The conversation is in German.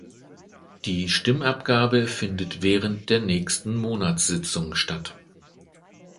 Die Stimmabgabe findet während der nächsten Monatssitzung statt.